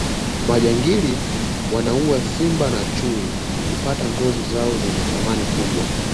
majangili wanaua simba na chui kupata ngozi zao zenye thamani kubwa